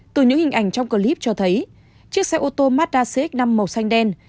từ những hình ảnh trong clip cho thấy chiếc xe ô tô mazda cx năm màu xanh đen